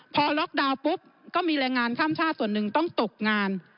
พอล็อกดาวน์ปุ๊บก็มีแรงงานข้ามชาติส่วนหนึ่งต้องตกงาน